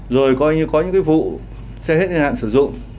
rồi coi như có những cái vụ xe hết niên hạn sử dụng